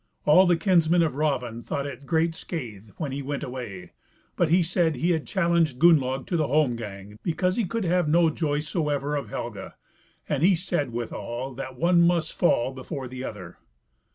All the kinsmen of Raven thought it great scathe when he went away, but he said he had challenged Gunnlaug to the holmgang because he could have no joy soever of Helga; and he said, withal, that one must fall before the other.